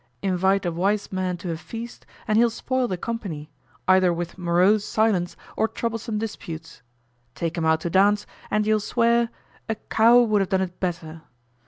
Invite a wise man to a feast and he'll spoil the company, either with morose silence or troublesome disputes. Take him out to dance, and you'll swear "a cow would have done it better."